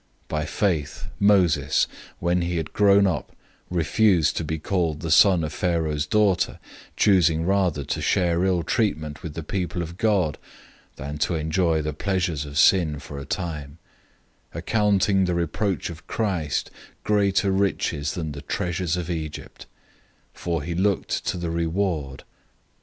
011:024 By faith, Moses, when he had grown up, refused to be called the son of Pharaoh's daughter, 011:025 choosing rather to share ill treatment with God's people, than to enjoy the pleasures of sin for a time; 011:026 accounting the reproach of Christ greater riches than the treasures of Egypt; for he looked to the reward.